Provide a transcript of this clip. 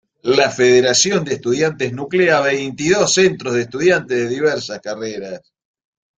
La Federación de Estudiantes nuclea a veintidós Centros de Estudiantes de diversas carreras.